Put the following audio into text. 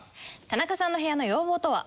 田中さんの部屋の要望とは？